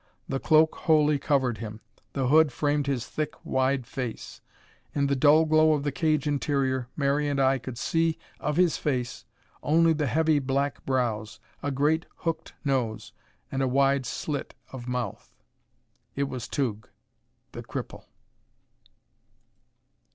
The cloak wholly covered him; the hood framed his thick, wide face; in the dull glow of the cage interior Mary and I could see of his face only the heavy black brows, a great hooked nose and a wide slit of mouth. It was Tugh, the cripple!